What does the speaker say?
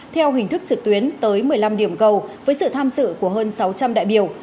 theo hình thức trực tuyến tới một mươi năm điểm cầu với sự tham dự của hơn sáu trăm linh đại biểu